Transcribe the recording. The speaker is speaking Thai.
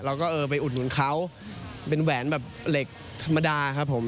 แล้วก็ไปอุดเหมือนเขาเป็นแหวนแบบเหล็กธรรมดาครับผม